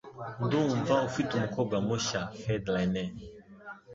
Ndumva ufite umukobwa mushya. (FeuDRenais)